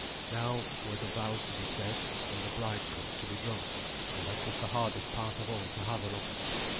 Now were the vows to be said and the bride cup to be drunk, and that was the hardest part of all to Havelok.